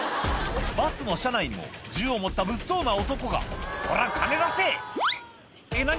バスの車内にも銃を持った物騒な男が「おら金出せ！」「えっ何？